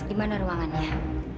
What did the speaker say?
di mana ruangannya